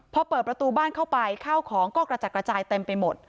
พอเปิดประตูบ้านเข้าไปข้าวของก็กระจัดกระจายเต็มไปหมด